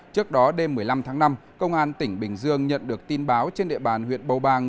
trước đó đêm một mươi năm tháng năm công an tỉnh bình dương nhận được tin báo trên địa bàn huyện bầu bàng